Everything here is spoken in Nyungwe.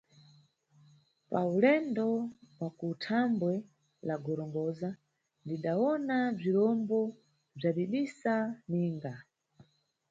Pa ulendo bwa ku dambwe la Gorongosa, ndidawona bzirombo bzadidisa ninga.